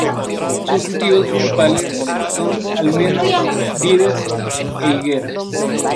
Sus cultivos principles son los almendros, vides e higueras.